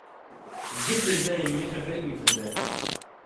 גיט צו זען מער וועגן פון דעם